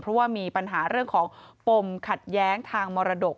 เพราะว่ามีปัญหาเรื่องของปมขัดแย้งทางมรดก